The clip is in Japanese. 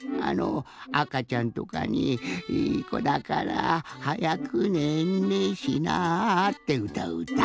あかちゃんとかに「いいこだからはやくねんねしな」ってうたううた。